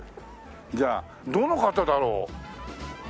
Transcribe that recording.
じゃあどの方だろう？